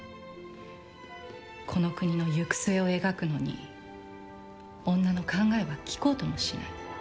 この国の行く末を描くのに女の考えは聞こうともしない。